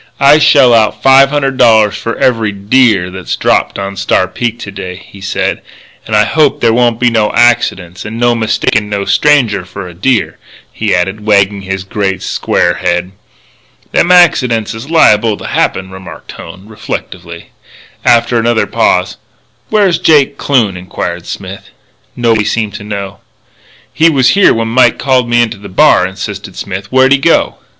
"I shell out five hundred dollars for every deer that's dropped on Star Peak to day," he said. "And I hope there won't be no accidents and no mistakin' no stranger for a deer," he added, wagging his great, square head. "Them accidents is liable to happen," remarked Hone, reflectively. After another pause: "Where's Jake Kloon?" inquired Smith. Nobody seemed to know. "He was here when Mike called me into the bar," insisted Smith. "Where'd he go?"